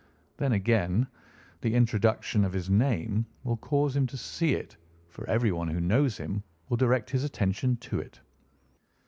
Then, again, the introduction of his name will cause him to see it, for everyone who knows him will direct his attention to it.